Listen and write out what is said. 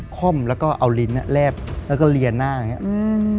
ค่อมแล้วก็เอาลิ้นแลบแล้วก็เรียนหน้าอย่างนี้